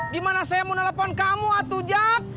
di mana saya mau telepon kamu jack